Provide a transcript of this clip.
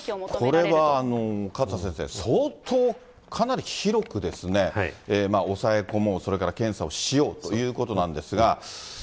これは勝田先生、相当かなり広くですね、抑え込もう、それから検査をしようということなんですが。